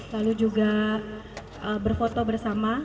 lalu juga berfoto bersama